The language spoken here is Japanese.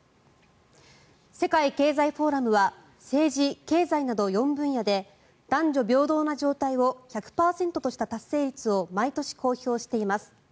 世界経済フォーラムは政治、経済など４分野で男女平等な状態を１００％とした達成率を毎年公表しています。